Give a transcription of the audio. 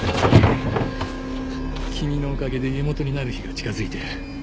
君のおかげで家元になる日が近づいてる。